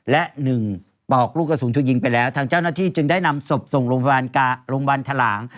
และ๑ปอกลูกกระสุนถูกยิงไปแล้วทางเจ้าหน้าที่จึงได้นำศพส่งโรงพยาบาลโรงพยาบาลทะหลาง